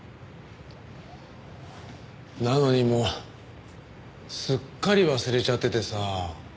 なのにもうすっかり忘れちゃっててさ。